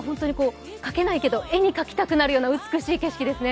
描けないけど、絵に描きたくなるような景色ですね。